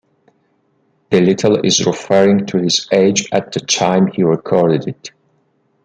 The title is referring to his age at the time he recorded it.